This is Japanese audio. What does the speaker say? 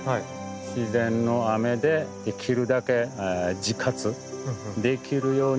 自然の雨でできるだけ自活できるようにしていくこと。